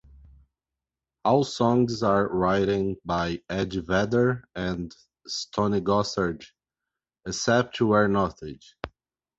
All songs are written by Eddie Vedder and Stone Gossard except where noted.